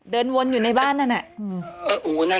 เดินวนอยู่ในบ้านนั่นน่ะ